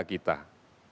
mari kita menjadi teladan